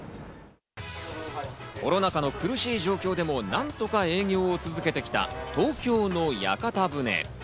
コロナ禍の苦しい状況でも何とか営業を続けてきた東京の屋形船。